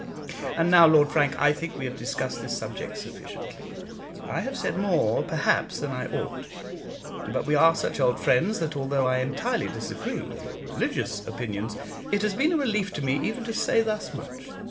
And now, Lord Frank, I think we have discussed this subject sufficiently. I have said more, perhaps, than I ought; but we are such old friends that, although I entirely disagree with your religious opinions, it has been a relief to me even to say thus much.